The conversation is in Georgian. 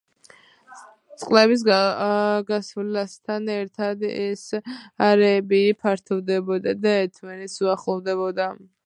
წლების გასვლასთან ერთად ეს არეები ფართოვდებოდა და ერთმანეთს უახლოვდებოდა.